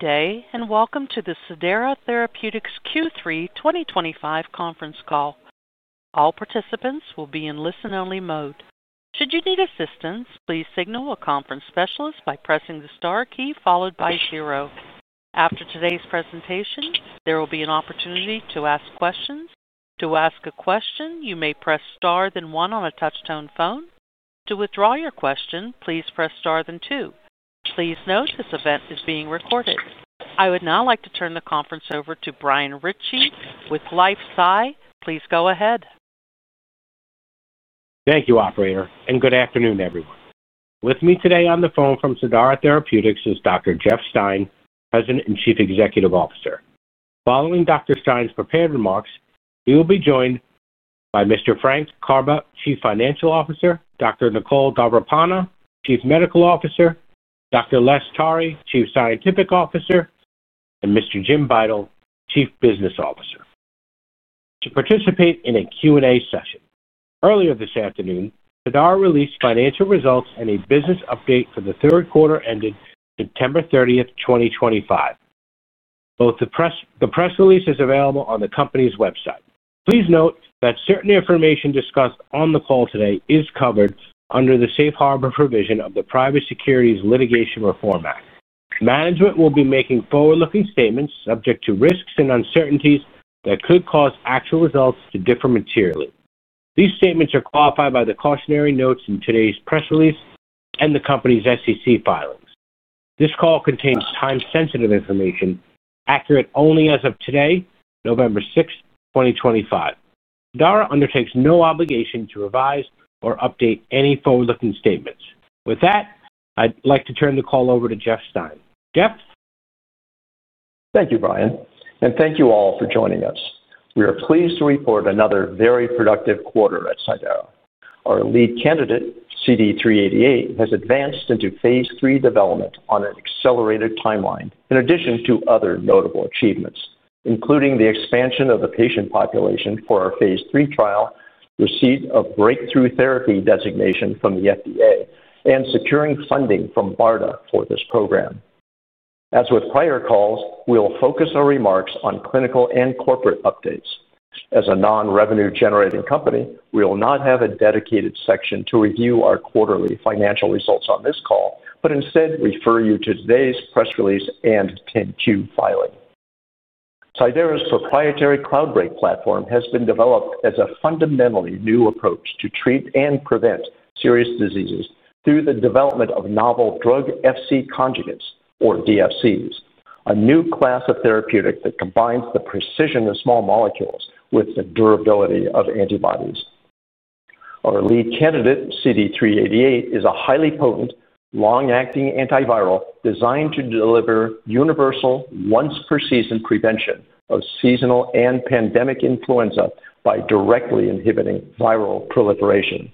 Good day and welcome to the Cidara Therapeutics Q3 2025 conference call. All participants will be in listen-only mode. Should you need assistance, please signal a conference specialist by pressing the star key followed by zero. After today's presentation, there will be an opportunity to ask questions. To ask a question, you may press star then one on a touch-tone phone. To withdraw your question, please press star then two. Please note this event is being recorded. I would now like to turn the conference over to Brian Ritchie with LifeSci. Please go ahead. Thank you, Operator, and good afternoon, everyone. With me today on the phone from Cidara Therapeutics is Dr. Jeff Stein, President and Chief Executive Officer. Following Dr. Stein's prepared remarks, he will be joined by Mr. Frank Karbe, Chief Financial Officer; Dr. Nicole Davarpanah, Chief Medical Officer; Dr. Les Tari, Chief Scientific Officer; and Mr. Jim Beitel, Chief Business Officer, to participate in a Q&A session. Earlier this afternoon, Cidara released financial results and a business update for the third quarter ended September 30, 2025. Both the press release is available on the company's website. Please note that certain information discussed on the call today is covered under the safe harbor provision of the Private Securities Litigation Reform Act. Management will be making forward-looking statements subject to risks and uncertainties that could cause actual results to differ materially. These statements are qualified by the cautionary notes in today's press release and the company's SEC filings. This call contains time-sensitive information, accurate only as of today, November 6, 2025. Cidara undertakes no obligation to revise or update any forward-looking statements. With that, I'd like to turn the call over to Jeff Stein. Jeff. Thank you, Brian, and thank you all for joining us. We are pleased to report another very productive quarter at Cidara. Our lead candidate, CD388, has advanced into phase III development on an accelerated timeline, in addition to other notable achievements, including the expansion of the patient population for our phase III trial, receipt of breakthrough therapy designation from the FDA, and securing funding from BARDA for this program. As with prior calls, we'll focus our remarks on clinical and corporate updates. As a non-revenue-generating company, we will not have a dedicated section to review our quarterly financial results on this call, but instead refer you to today's press release and 10-Q filing. Cidara's proprietary Cloudbreak platform has been developed as a fundamentally new approach to treat and prevent serious diseases through the development of novel drug-Fc conjugates, or DFCs, a new class of therapeutic that combines the precision of small molecules with the durability of antibodies. Our lead candidate, CD388, is a highly potent, long-acting antiviral designed to deliver universal, once-per-season prevention of seasonal and pandemic influenza by directly inhibiting viral proliferation.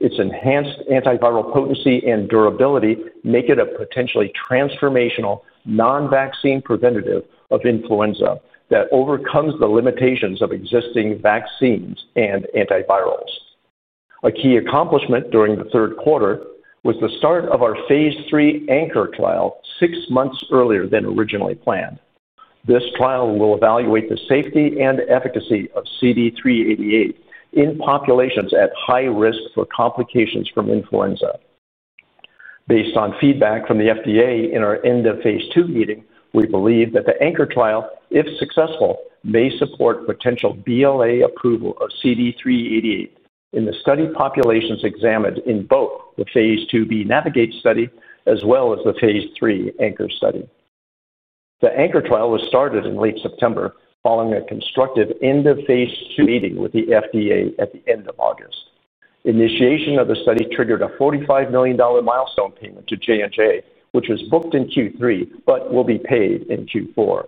Its enhanced antiviral potency and durability make it a potentially transformational, non-vaccine preventative of influenza that overcomes the limitations of existing vaccines and antivirals. A key accomplishment during the third quarter was the start of our phase III anchor trial six months earlier than originally planned. This trial will evaluate the safety and efficacy of CD388 in populations at high risk for complications from influenza. Based on feedback from the FDA in our end of phase II meeting, we believe that the anchor trial, if successful, may support potential BLA approval of CD388 in the study populations examined in both the phase II B Navigate Study as well as the phase III anchor study. The anchor trial was started in late September, following a constructive end of phase II meeting with the FDA at the end of August. Initiation of the study triggered a $45 million milestone payment to J&J, which was booked in Q3 but will be paid in Q4.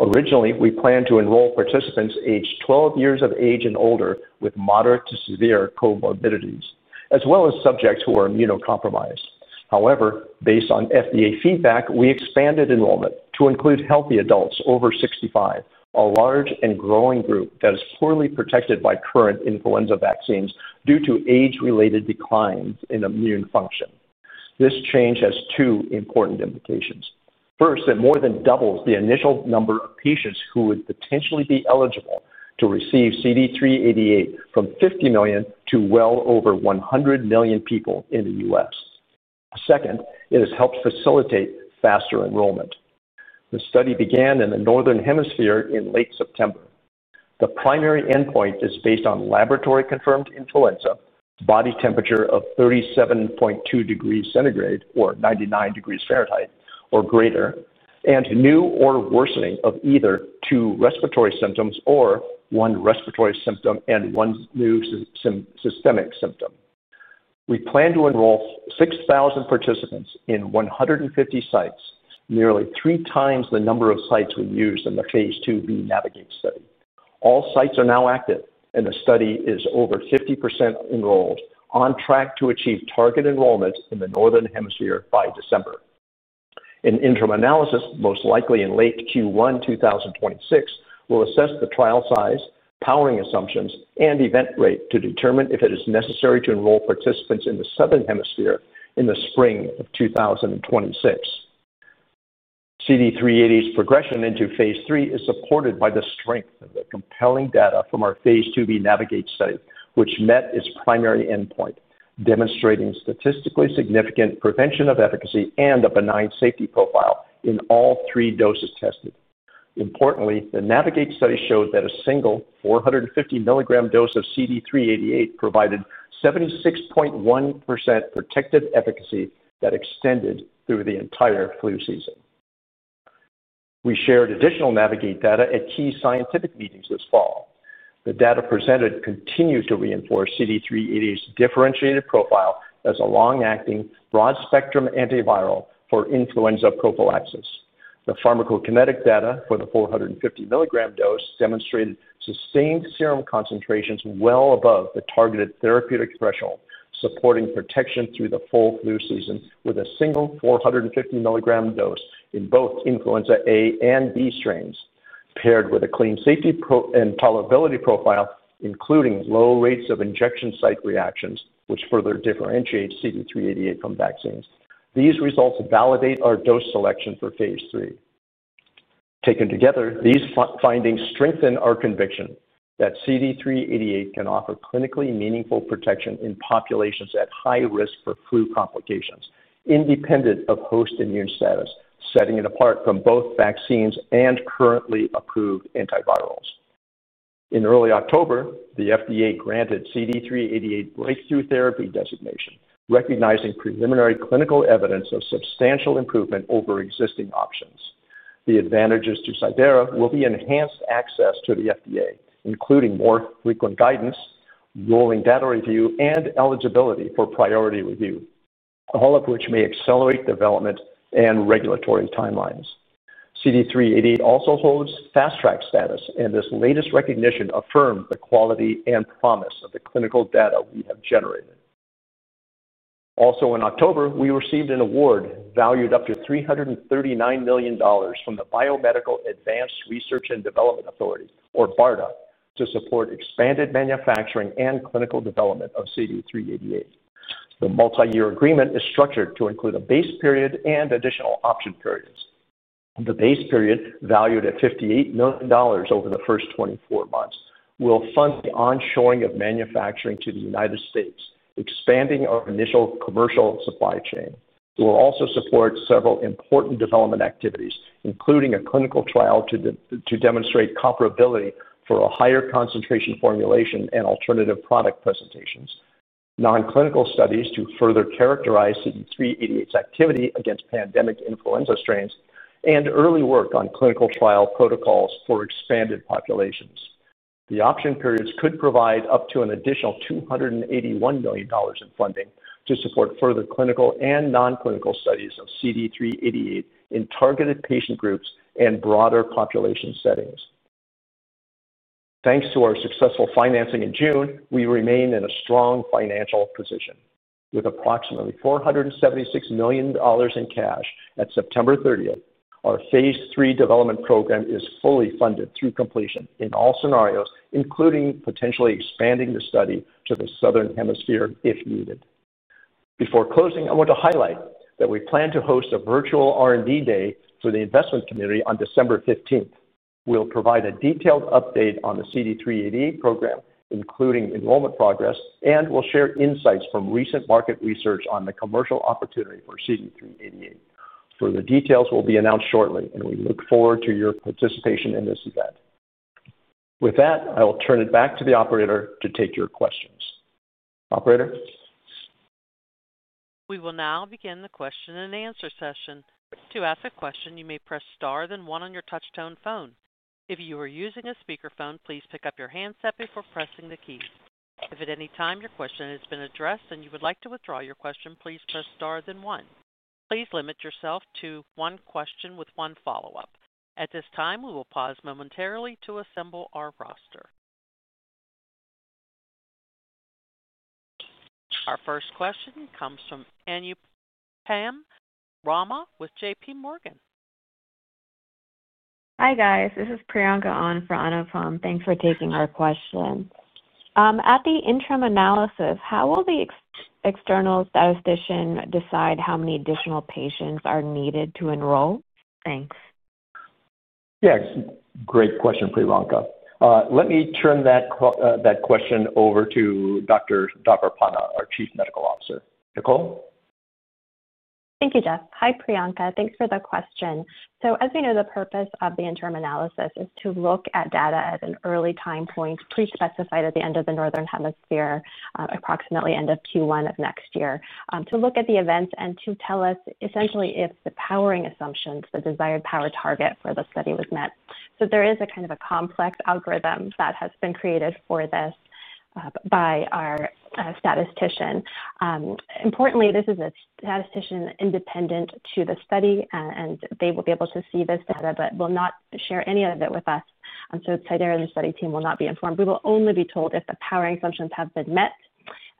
Originally, we planned to enroll participants aged 12 years of age and older with moderate to severe comorbidities, as well as subjects who are immunocompromised. However, based on FDA feedback, we expanded enrollment to include healthy adults over 65, a large and growing group that is poorly protected by current influenza vaccines due to age-related declines in immune function. This change has two important implications. First, it more than doubles the initial number of patients who would potentially be eligible to receive CD388 from 50 million to well over 100 million people in the U.S. Second, it has helped facilitate faster enrollment. The study began in the Northern Hemisphere in late September. The primary endpoint is based on laboratory-confirmed influenza, body temperature of 37.2 degrees Celsius, or 99 degrees Fahrenheit, or greater, and new or worsening of either two respiratory symptoms or one respiratory symptom and one new systemic symptom. We plan to enroll 6,000 participants in 150 sites, nearly three times the number of sites we used in the phase II B Navigate Study. All sites are now active, and the study is over 50% enrolled, on track to achieve target enrollment in the Northern Hemisphere by December. In interim analysis, most likely in late Q1 2026, we'll assess the trial size, powering assumptions, and event rate to determine if it is necessary to enroll participants in the Southern Hemisphere in the spring of 2026. CD388's progression into phase III is supported by the strength of the compelling data from our phase II B Navigate Study, which met its primary endpoint, demonstrating statistically significant prevention of efficacy and a benign safety profile in all three doses tested. Importantly, the Navigate Study showed that a single 450 milligram dose of CD388 provided 76.1% protective efficacy that extended through the entire flu season. We shared additional Navigate data at key scientific meetings this fall. The data presented continues to reinforce CD388's differentiated profile as a long-acting, broad-spectrum antiviral for influenza prophylaxis. The pharmacokinetic data for the 450 milligram dose demonstrated sustained serum concentrations well above the targeted therapeutic threshold, supporting protection through the full flu season with a single 450 milligram dose in both influenza A and B strains, paired with a clean safety and tolerability profile, including low rates of injection site reactions, which further differentiates CD388 from vaccines. These results validate our dose selection for phase III. Taken together, these findings strengthen our conviction that CD388 can offer clinically meaningful protection in populations at high risk for flu complications, independent of host immune status, setting it apart from both vaccines and currently approved antivirals. In early October, the FDA granted CD388 breakthrough therapy designation, recognizing preliminary clinical evidence of substantial improvement over existing options. The advantages to Cidara will be enhanced access to the FDA, including more frequent guidance, rolling data review, and eligibility for priority review, all of which may accelerate development and regulatory timelines. CD388 also holds fast track status and is the latest recognition of firm quality and promise of the clinical data we have generated. Also, in October, we received an award valued up to $339 million from the Biomedical Advanced Research and Development Authority, or BARDA, to support expanded manufacturing and clinical development of CD388. The multi-year agreement is structured to include a base period and additional option periods. The base period, valued at $58 million over the first 24 months, will fund the onshoring of manufacturing to the United States, expanding our initial commercial supply chain. It will also support several important development activities, including a clinical trial to demonstrate comparability for a higher concentration formulation and alternative product presentations, non-clinical studies to further characterize CD388's activity against pandemic influenza strains, and early work on clinical trial protocols for expanded populations. The option periods could provide up to an additional $281 million in funding to support further clinical and non-clinical studies of CD388 in targeted patient groups and broader population settings. Thanks to our successful financing in June, we remain in a strong financial position. With approximately $476 million in cash at September 30th, our phase III development program is fully funded through completion in all scenarios, including potentially expanding the study to the Southern Hemisphere if needed. Before closing, I want to highlight that we plan to host a virtual R&D day for the investment community on December 15th. We'll provide a detailed update on the CD388 program, including enrollment progress, and we'll share insights from recent market research on the commercial opportunity for CD388. Further details will be announced shortly, and we look forward to your participation in this event. With that, I'll turn it back to the Operator to take your questions. Operator. We will now begin the question and answer session. To ask a question, you may press star then one on your touch-tone phone. If you are using a speakerphone, please pick up your handset before pressing the keys. If at any time your question has been addressed and you would like to withdraw your question, please press star then one. Please limit yourself to one question with one follow-up. At this time, we will pause momentarily to assemble our roster. Our first question comes from Anupam Rama with JPMorgan. Hi, guys. This is Priyanka on for Anupam Rama. Thanks for taking our question. At the interim analysis, how will the external statistician decide how many additional patients are needed to enroll? Thanks. Yes. Great question, Priyanka. Let me turn that question over to Dr. Davarpanah, our Chief Medical Officer. Nicole? Thank you, Jeff. Hi, Priyanka. Thanks for the question. As we know, the purpose of the interim analysis is to look at data at an early time point, pre-specified at the end of the Northern Hemisphere, approximately end of Q1 of next year, to look at the events and to tell us, essentially, if the powering assumptions, the desired power target for the study, was met. There is a kind of a complex algorithm that has been created for this by our statistician. Importantly, this is a statistician independent to the study, and they will be able to see this data but will not share any of it with us. Cidara and the study team will not be informed. We will only be told if the powering assumptions have been met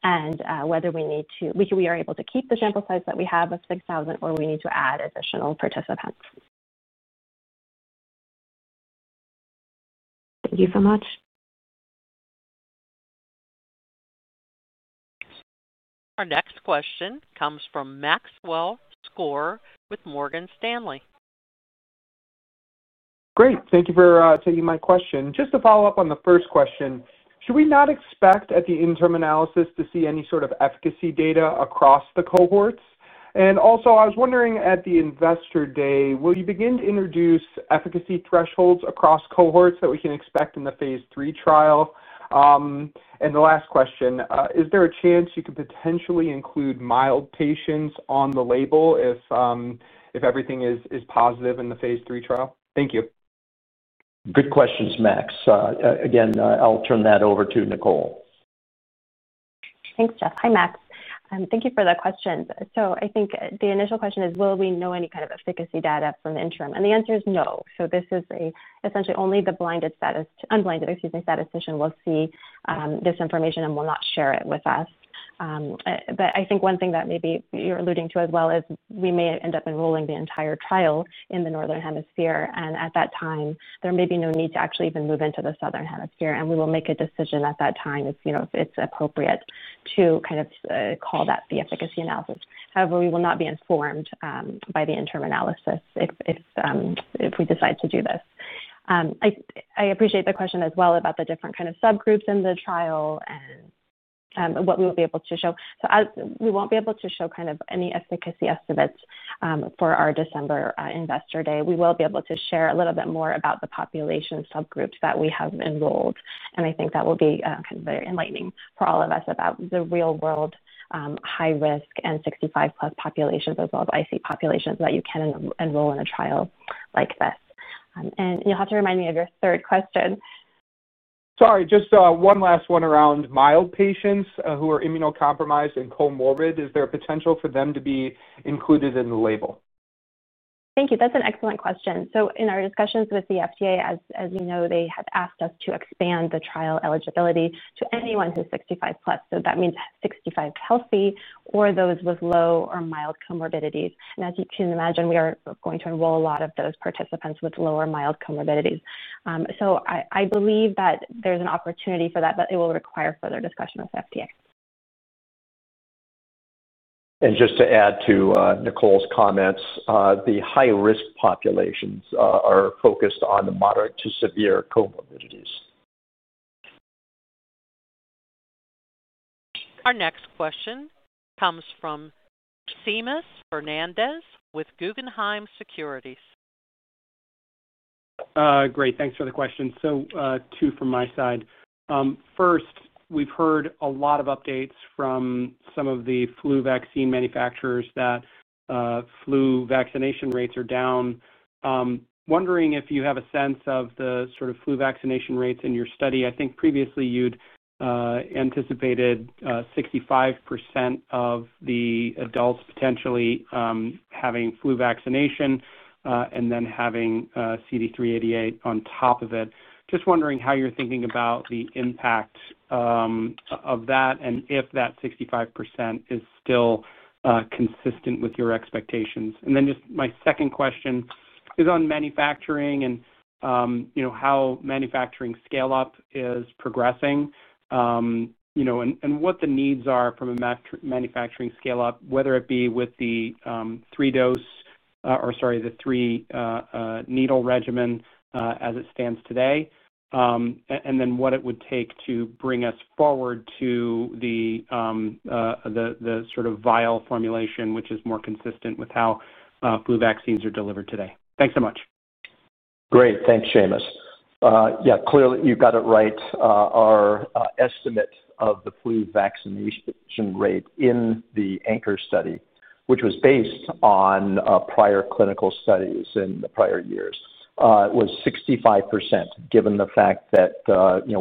and whether we need to—we are able to keep the sample size that we have of 6,000 or we need to add additional participants. Thank you so much. Our next question comes from Maxwell Skor with Morgan Stanley. Great. Thank you for taking my question. Just to follow up on the first question, should we not expect at the interim analysis to see any sort of efficacy data across the cohorts? Also, I was wondering at the investor day, will you begin to introduce efficacy thresholds across cohorts that we can expect in the phase III trial? The last question, is there a chance you could potentially include mild patients on the label if everything is positive in the phase III trial? Thank you. Good questions, Max. Again, I'll turn that over to Nicole. Thanks, Jeff. Hi, Max. Thank you for the question. I think the initial question is, will we know any kind of efficacy data from the interim? The answer is no. This is essentially only the blinded statistician—excuse me—statistician will see this information and will not share it with us. I think one thing that maybe you're alluding to as well is we may end up enrolling the entire trial in the Northern Hemisphere, and at that time, there may be no need to actually even move into the Southern Hemisphere. We will make a decision at that time if it's appropriate to kind of call that the efficacy analysis. However, we will not be informed by the interim analysis if we decide to do this. I appreciate the question as well about the different kind of subgroups in the trial and. What we will be able to show. We will not be able to show kind of any efficacy estimates for our December investor day. We will be able to share a little bit more about the population subgroups that we have enrolled. I think that will be kind of very enlightening for all of us about the real-world high-risk and 65-plus populations, as well as IC populations, that you can enroll in a trial like this. You will have to remind me of your third question. Sorry, just one last one around mild patients who are immunocompromised and comorbid. Is there a potential for them to be included in the label? Thank you. That's an excellent question. In our discussions with the FDA, as you know, they have asked us to expand the trial eligibility to anyone who's 65-plus. That means 65 healthy or those with low or mild comorbidities. As you can imagine, we are going to enroll a lot of those participants with low or mild comorbidities. I believe that there's an opportunity for that, but it will require further discussion with FDA. Just to add to Nicole's comments, the high-risk populations are focused on the moderate to severe comorbidities. Our next question comes from Seamus Fernandez with Guggenheim Securities. Great. Thanks for the question. Two from my side. First, we've heard a lot of updates from some of the flu vaccine manufacturers that flu vaccination rates are down. Wondering if you have a sense of the sort of flu vaccination rates in your study. I think previously you'd anticipated 65% of the adults potentially having flu vaccination and then having CD388 on top of it. Just wondering how you're thinking about the impact of that and if that 65% is still consistent with your expectations. Just my second question is on manufacturing and how manufacturing scale-up is progressing and what the needs are from a manufacturing scale-up, whether it be with the three-dose—or, sorry, the three needle regimen as it stands today, and then what it would take to bring us forward to the. Sort of vial formulation, which is more consistent with how flu vaccines are delivered today. Thanks so much. Great. Thanks, Seamus. Yeah, clearly, you got it right. Our estimate of the flu vaccination rate in the anchor study, which was based on prior clinical studies in the prior years, was 65%, given the fact that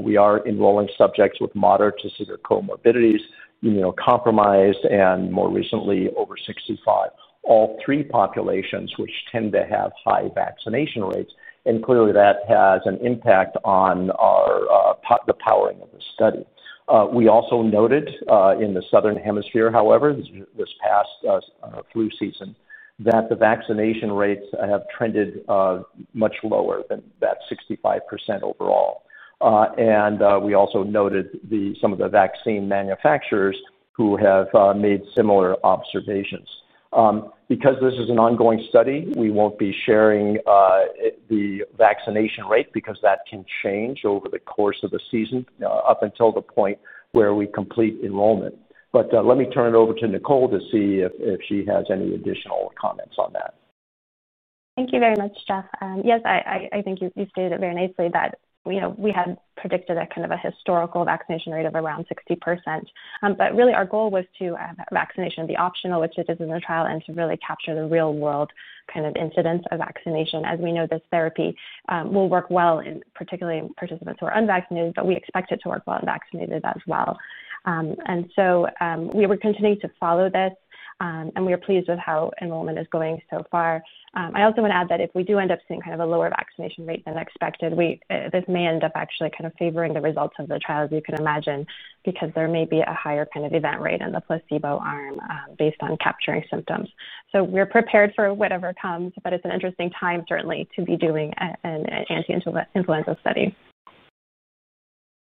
we are enrolling subjects with moderate to severe comorbidities, immunocompromised, and more recently, over 65, all three populations, which tend to have high vaccination rates. Clearly, that has an impact on the powering of the study. We also noted in the Southern Hemisphere, however, this past flu season, that the vaccination rates have trended much lower than that 65% overall. We also noted some of the vaccine manufacturers who have made similar observations. Because this is an ongoing study, we won't be sharing the vaccination rate because that can change over the course of the season up until the point where we complete enrollment. Let me turn it over to Nicole to see if she has any additional comments on that. Thank you very much, Jeff. Yes, I think you stated it very nicely that we had predicted a kind of a historical vaccination rate of around 60%. Our goal was to have vaccination be optional, which it is in the trial, and to really capture the real-world kind of incidents of vaccination. As we know, this therapy will work well, particularly in participants who are unvaccinated, but we expect it to work well in vaccinated as well. We were continuing to follow this, and we are pleased with how enrollment is going so far. I also want to add that if we do end up seeing kind of a lower vaccination rate than expected, this may end up actually kind of favoring the results of the trial, as you can imagine, because there may be a higher kind of event rate in the placebo arm based on capturing symptoms. We are prepared for whatever comes, but it is an interesting time, certainly, to be doing an anti-influenza study.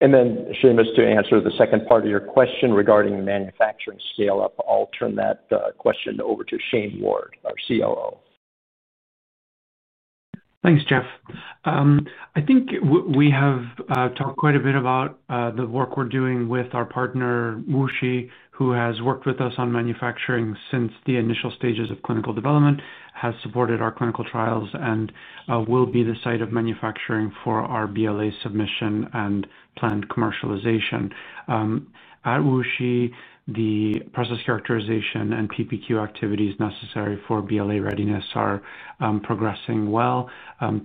To answer the second part of your question regarding manufacturing scale-up, I'll turn that question over to Shane Ward, our COO. Thanks, Jeff. I think we have talked quite a bit about the work we're doing with our partner, WuXi, who has worked with us on manufacturing since the initial stages of clinical development, has supported our clinical trials, and will be the site of manufacturing for our BLA submission and planned commercialization. At WuXi, the process characterization and PPQ activities necessary for BLA readiness are progressing well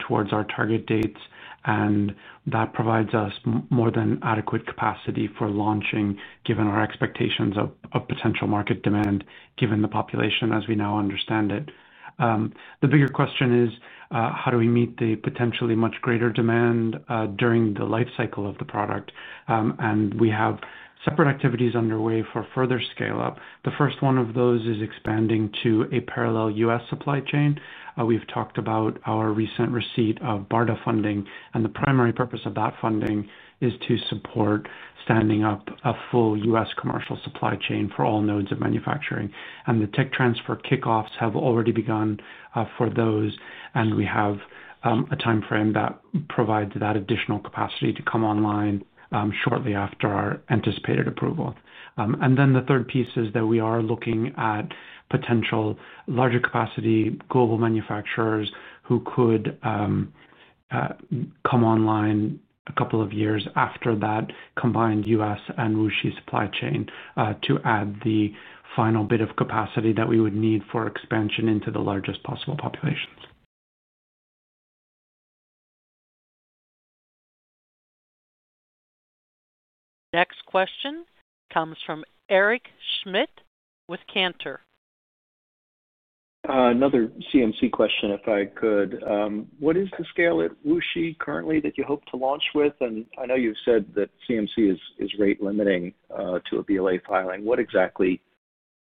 towards our target dates, and that provides us more than adequate capacity for launching, given our expectations of potential market demand, given the population as we now understand it. The bigger question is, how do we meet the potentially much greater demand during the life cycle of the product? We have separate activities underway for further scale-up. The first one of those is expanding to a parallel US supply chain. We've talked about our recent receipt of BARDA funding, and the primary purpose of that funding is to support standing up a full US commercial supply chain for all nodes of manufacturing. The tech transfer kickoffs have already begun for those, and we have a timeframe that provides that additional capacity to come online shortly after our anticipated approval. The third piece is that we are looking at potential larger capacity global manufacturers who could come online a couple of years after that combined U.S. and WuXi supply chain to add the final bit of capacity that we would need for expansion into the largest possible populations. Next question comes from Eric Schmidt with Cantor. Another CMC question, if I could. What is the scale at WuXi currently that you hope to launch with? I know you've said that CMC is rate-limiting to a BLA filing. What exactly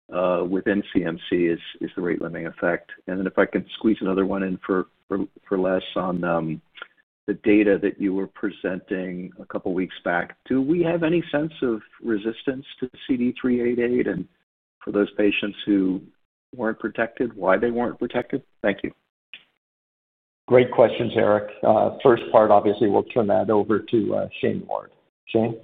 within CMC is the rate-limiting effect? If I can squeeze another one in for Les on the data that you were presenting a couple of weeks back, do we have any sense of resistance to CD388? For those patients who weren't protected, why they weren't protected? Thank you. Great questions, Eric. First part, obviously, we'll turn that over to Shane Ward. Shane?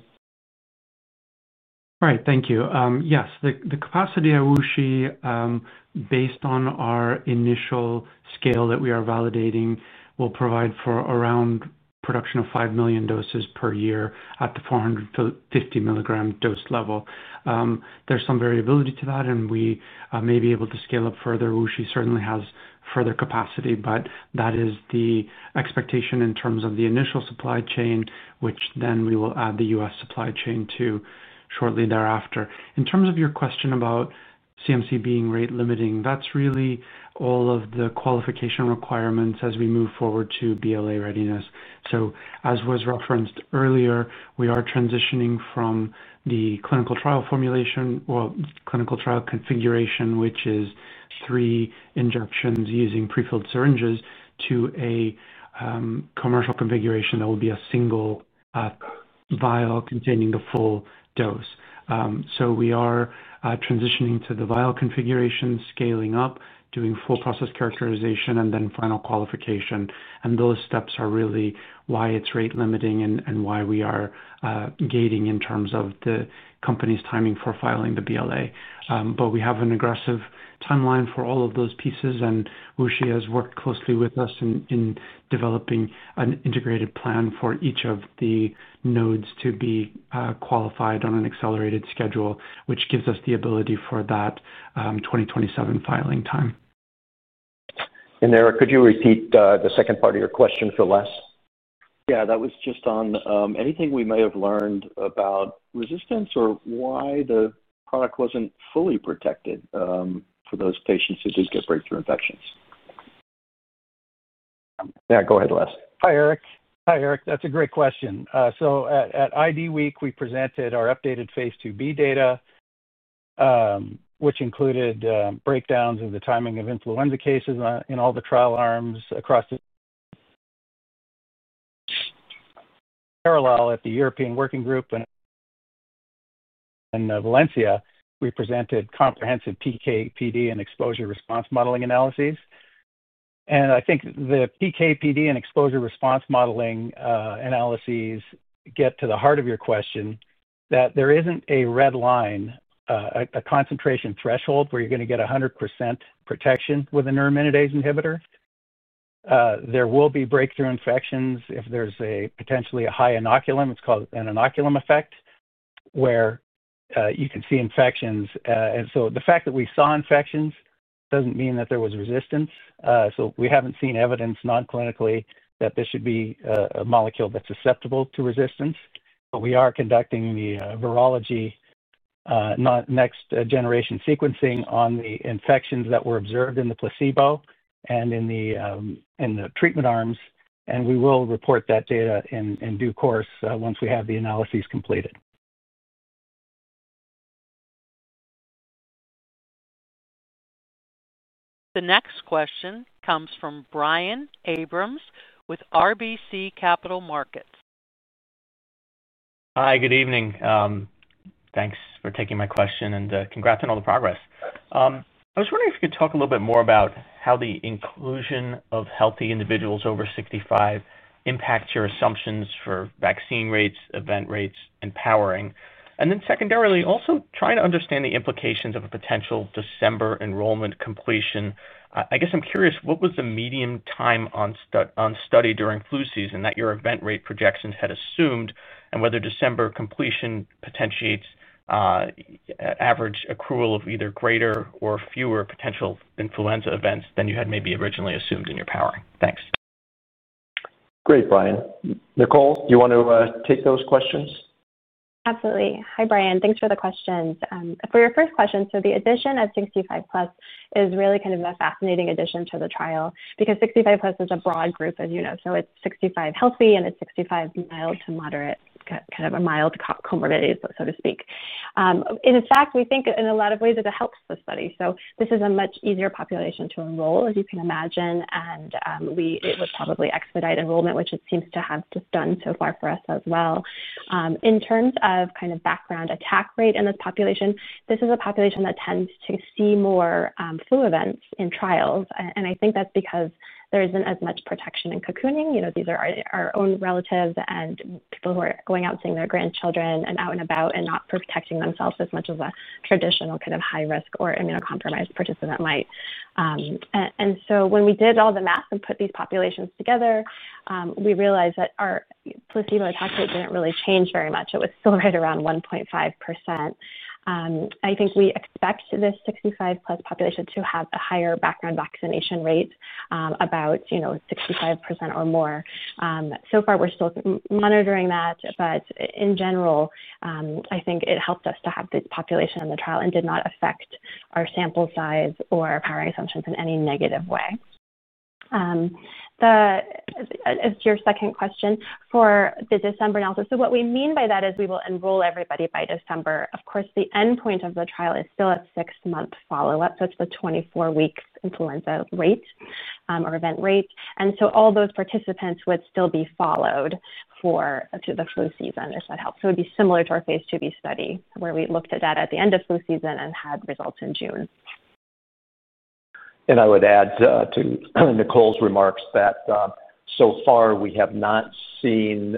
All right. Thank you. Yes, the capacity at WuXi. Based on our initial scale that we are validating, will provide for around production of 5 million doses per year at the 450 milligram dose level. There's some variability to that, and we may be able to scale up further. WuXi certainly has further capacity, but that is the expectation in terms of the initial supply chain, which then we will add the U.S. supply chain to shortly thereafter. In terms of your question about CMC being rate-limiting, that's really all of the qualification requirements as we move forward to BLA readiness. As was referenced earlier, we are transitioning from the clinical trial formulation—well, clinical trial configuration, which is three injections using prefilled syringes—to a commercial configuration that will be a single vial containing the full dose. We are transitioning to the vial configuration, scaling up, doing full process characterization, and then final qualification. Those steps are really why it's rate-limiting and why we are gating in terms of the company's timing for filing the BLA. We have an aggressive timeline for all of those pieces, and WuXi has worked closely with us in developing an integrated plan for each of the nodes to be qualified on an accelerated schedule, which gives us the ability for that 2027 filing time. Eric, could you repeat the second part of your question for Les? Yeah, that was just on anything we may have learned about resistance or why the product wasn't fully protected for those patients who did get breakthrough infections? Yeah, go ahead, Les. Hi, Eric. That's a great question. At ID Week, we presented our updated phase II B data, which included breakdowns of the timing of influenza cases in all the trial arms. Parallel at the European Working Group in Valencia, we presented comprehensive PK/PD and exposure response modeling analyses. I think the PK/PD and exposure response modeling analyses get to the heart of your question, that there isn't a red line, a concentration threshold where you're going to get 100% protection with a neuraminidase inhibitor. There will be breakthrough infections if there's potentially a high inoculum. It's called an inoculum effect, where you can see infections. The fact that we saw infections doesn't mean that there was resistance. We haven't seen evidence non-clinically that this should be a molecule that's susceptible to resistance. We are conducting the virology. Next-generation sequencing on the infections that were observed in the placebo and in the treatment arms. We will report that data in due course once we have the analyses completed. The next question comes from Brian Abrams with RBC Capital Markets. Hi, good evening. Thanks for taking my question and congrats on all the progress. I was wondering if you could talk a little bit more about how the inclusion of healthy individuals over 65 impacts your assumptions for vaccine rates, event rates, and powering. Also, trying to understand the implications of a potential December enrollment completion. I guess I'm curious, what was the medium time on study during flu season that your event rate projections had assumed, and whether December completion potentiates average accrual of either greater or fewer potential influenza events than you had maybe originally assumed in your powering? Thanks. Great, Brian. Nicole, do you want to take those questions? Absolutely. Hi, Brian. Thanks for the questions. For your first question, the addition of 65-plus is really kind of a fascinating addition to the trial because 65-plus is a broad group, as you know. It is 65 healthy and it is 65 mild to moderate, kind of a mild comorbidity, so to speak. In fact, we think in a lot of ways it helps the study. This is a much easier population to enroll, as you can imagine, and it would probably expedite enrollment, which it seems to have just done so far for us as well. In terms of background attack rate in this population, this is a population that tends to see more flu events in trials. I think that is because there is not as much protection in cocooning. These are our own relatives and people who are going out seeing their grandchildren and out and about and not protecting themselves as much as a traditional kind of high-risk or immunocompromised participant might. When we did all the math and put these populations together, we realized that our placebo attack rate did not really change very much. It was still right around 1.5%. I think we expect this 65+ population to have a higher background vaccination rate, about 65% or more. So far, we're still monitoring that, but in general, I think it helped us to have this population in the trial and did not affect our sample size or powering assumptions in any negative way. As to your second question, for the December analysis, what we mean by that is we will enroll everybody by December. Of course, the endpoint of the trial is still a six-month follow-up, so it's the 24-week influenza rate or event rate. All those participants would still be followed through the flu season, if that helps. It would be similar to our phase II B study, where we looked at data at the end of flu season and had results in June. I would add to Nicole's remarks that so far, we have not seen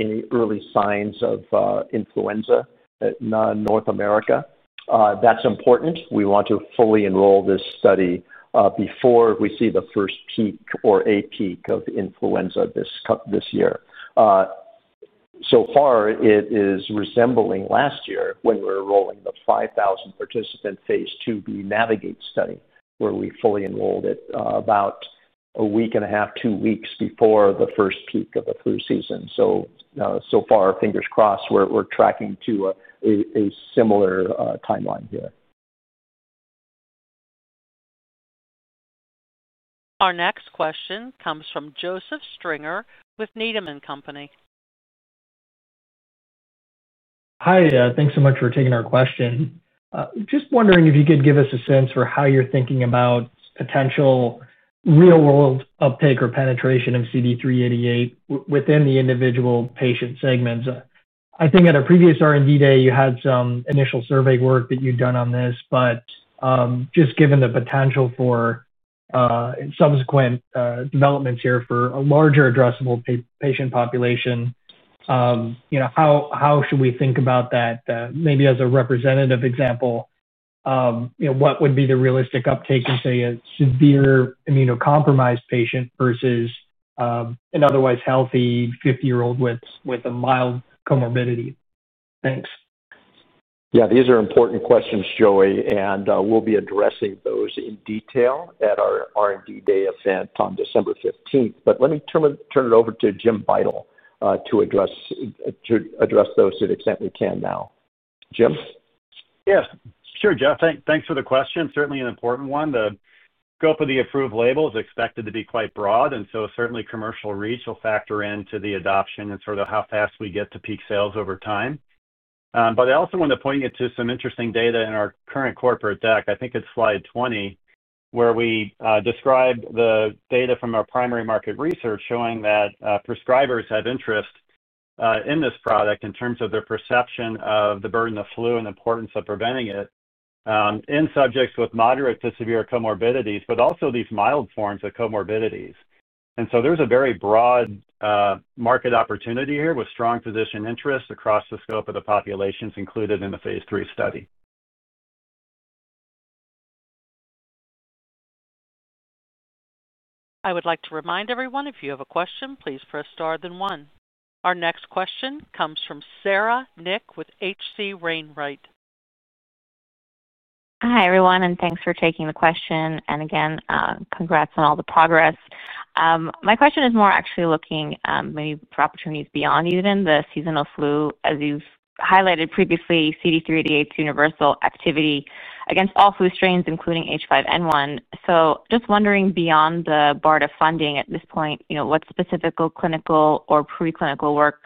any early signs of influenza in North America. That's important. We want to fully enroll this study before we see the first peak or a peak of influenza this year. So far, it is resembling last year when we were enrolling the 5,000 participant phase II B Navigate study, where we fully enrolled it about a week and a half, two weeks before the first peak of the flu season. So far, fingers crossed, we're tracking to a similar timeline here. Our next question comes from Joseph Stringer with Needham & Company. Hi, thanks so much for taking our question. Just wondering if you could give us a sense for how you're thinking about potential real-world uptake or penetration of CD388 within the individual patient segments. I think at a previous R&D day, you had some initial survey work that you'd done on this, but just given the potential for subsequent developments here for a larger addressable patient population, how should we think about that? Maybe as a representative example, what would be the realistic uptake in, say, a severe immunocompromised patient versus an otherwise healthy 50-year-old with a mild comorbidity? Thanks. Yeah, these are important questions, Joey, and we'll be addressing those in detail at our R&D day event on December 15th. Let me turn it over to Jim Beitel to address those to the extent we can now. Jim? Yeah. Sure, Jeff. Thanks for the question. Certainly an important one. The scope of the approved label is expected to be quite broad, and certainly commercial reach will factor into the adoption and sort of how fast we get to peak sales over time. I also want to point you to some interesting data in our current corporate deck. I think it's slide 20, where we describe the data from our primary market research showing that prescribers have interest in this product in terms of their perception of the burden of flu and the importance of preventing it in subjects with moderate to severe comorbidities, but also these mild forms of comorbidities. There is a very broad market opportunity here with strong physician interest across the scope of the populations included in the phase III study. I would like to remind everyone, if you have a question, please press star then one. Our next question comes from Sarah Nik with HC Wainwright. Hi, everyone, and thanks for taking the question. Again, congrats on all the progress. My question is more actually looking maybe for opportunities beyond even the seasonal flu, as you've highlighted previously, CD388's universal activity against all flu strains, including H5N1. Just wondering, beyond the BARDA funding at this point, what specific clinical or preclinical work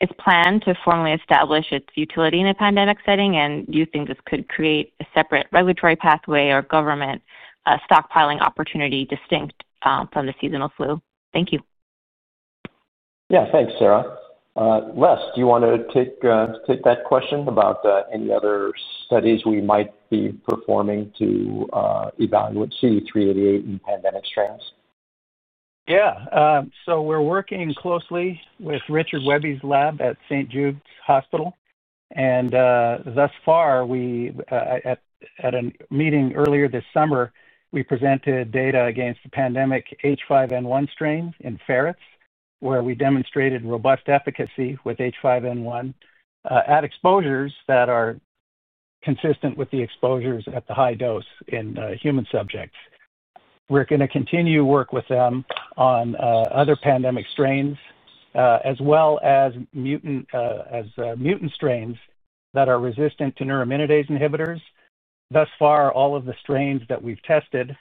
is planned to formally establish its utility in a pandemic setting? Do you think this could create a separate regulatory pathway or government stockpiling opportunity distinct from the seasonal flu? Thank you. Yeah, thanks, Sarah. Les, do you want to take that question about any other studies we might be performing to evaluate CD388 in pandemic strains? Yeah. So, we're working closely with Richard Webby's lab at St. Jude's Research Hospital. Thus far, at a meeting earlier this summer, we presented data against the pandemic H5N1 strains in ferrets, where we demonstrated robust efficacy with H5N1 at exposures that are consistent with the exposures at the high dose in human subjects. We're going to continue work with them on other pandemic strains as well as mutant strains that are resistant to neuraminidase inhibitors. Thus far, all of the strains that we've tested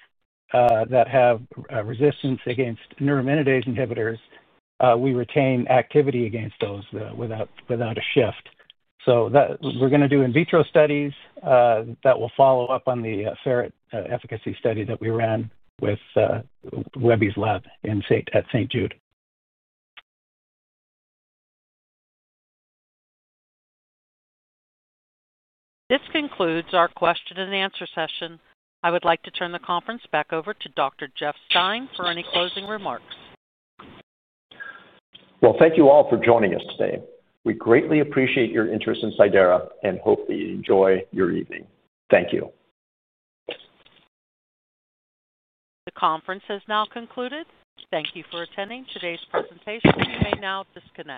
that have resistance against neuraminidase inhibitors, we retain activity against those without a shift. We're going to do in vitro studies that will follow up on the ferret efficacy study that we ran with Webby's lab at St. Jude. This concludes our question and answer session. I would like to turn the conference back over to Dr. Jeff Stein for any closing remarks. Thank you all for joining us today. We greatly appreciate your interest in Cidara and hope that you enjoy your evening. Thank you. The conference has now concluded. Thank you for attending today's presentation. You may now disconnect.